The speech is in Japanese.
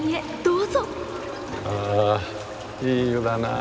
あいい湯だなぁ。